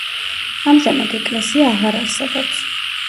ამჟამად ეკლესია აღარ არსებობს.